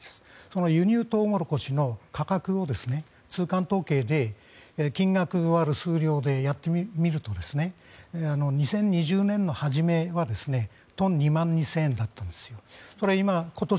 その輸入トウモロコシの価格を通関統計で金額割る数量でやってみると２０２０年の初めはトン２万２０００円だったんです。